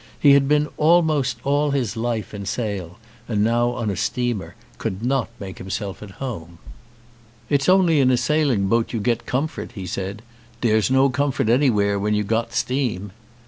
He had been almost all his life in sail and now on a steamer could not make himself at home. 215 ON A CHINESE SCEEEN "It's only in a sailing boat you get comfort," he said. "Dere's no comfort anywhere when you got steam."